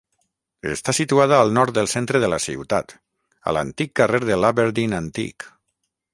Està situada al nord del centre de la ciutat, a l'antic carrer de l'Aberdeen antic.